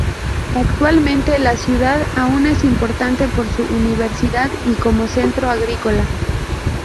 Actualmente, la ciudad aún es importante por su universidad y como centro agrícola.